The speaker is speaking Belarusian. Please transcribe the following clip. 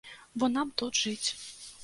Бо нам тут жыць.